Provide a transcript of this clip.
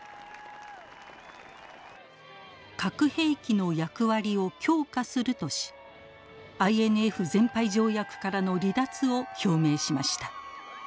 核兵器の役割を強化するとしＩＮＦ全廃条約からの離脱を表明しました。